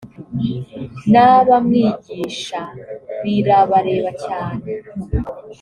n’abamwigisha birabareba cyane